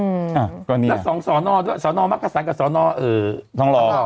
อ่าก็นี่แล้วสองสอนอด้วยสอนอมักกษันกับสอนอเอ่อทองหล่อ